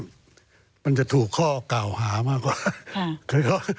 มันจะถูกข้อกล่าวหามากกว่า